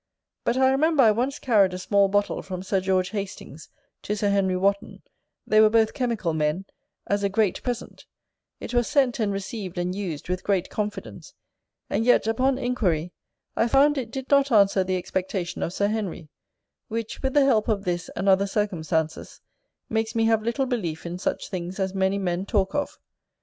But I remember I once carried a small bottle from Sir George Hastings to Sir Henry Wotton, they were both chemical men, as a great present: it was sent, and receiv'd, and us'd, with great confidence; and yet, upon inquiry, I found it did not answer the expectation of Sir Henry; which, with the help of this and other circumstances, makes me have little belief in such things as many men talk of.